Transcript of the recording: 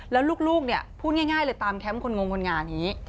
แล้วลูกพูดง่ายเลยตามแท้มคนงงคนงานนี้